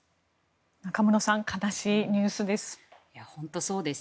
中室さん悲しいニュースです。